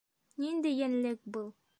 Ниндәй йәнлек был?